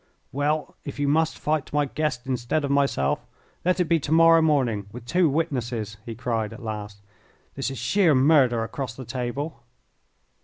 "Well, if you must fight my guest instead of myself, let it be to morrow morning with two witnesses," he cried, at last; "this is sheer murder across the table."